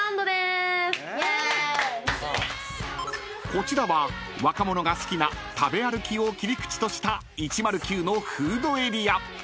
［こちらは若者が好きな食べ歩きを切り口とした１０９のフードエリア］